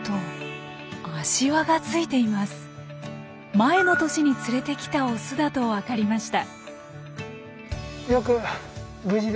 前の年に連れてきたオスだと分かりました。